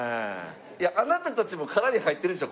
いやあなたたちも殻に入ってるでしょ